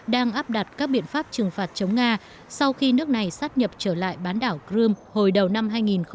đang áp đặt các biện pháp trừng phạt chống nga sau khi nước này sát nhập trở lại bán đảo crimea hồi đầu năm hai nghìn một mươi chín